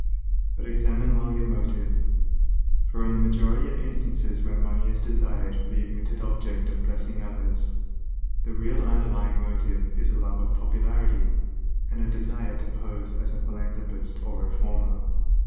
But examine well your motive, for in the majority of instances where money is desired for the admitted object of blessing others, the real underlying motive is a love of popularity, and a desire to pose as a philanthropist or reformer.